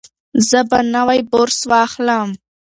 زه به نوی برس واخلم.